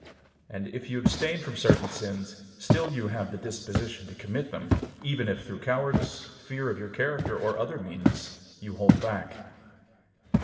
And, if you abstain from certain sins, still you have the disposition to commit them, even if through cowardice, fear for your character, or other meanness, you hold back.